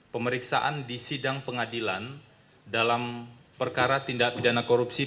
pemeriksaan di sidang pengadilan dalam perkara tindak pidana korupsi